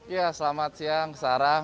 ya selamat siang sarah